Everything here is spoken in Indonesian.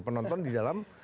penonton di dalam